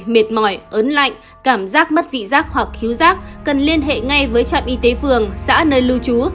mệt mỏi ớn lạnh cảm giác mất vị giác hoặc thiếu rác cần liên hệ ngay với trạm y tế phường xã nơi lưu trú